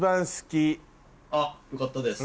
あっよかったです